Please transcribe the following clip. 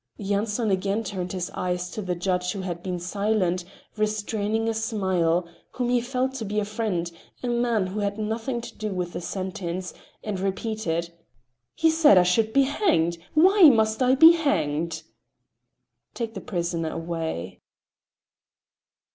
Yanson again turned his eyes to the judge who had been silent, restraining a smile, whom he felt to be a friend, a man who had nothing to do with the sentence, and repeated: "He said I should be hanged. Why must I be hanged?" "Take the prisoner away."